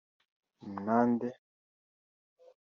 Nande